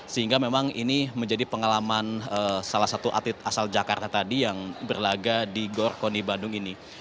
sehingga memang ini menjadi pengalaman salah satu atlet asal jakarta tadi yang berlaga di gor koni bandung ini